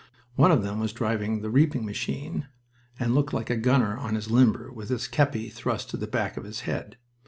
One of them was driving the reaping machine and looked like a gunner on his limber, with his kepi thrust to the back of his head.